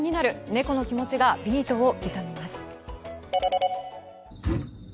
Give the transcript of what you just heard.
猫の気持ちがビートを刻みます。